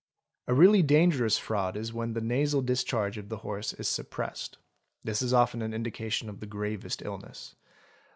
A really dangerous fraud is when the nasal discharge of the horse is suppressed ; this is often an indication of the gravest illness.